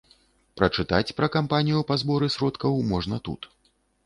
Прачытаць пра кампанію па зборы сродкаў можна тут.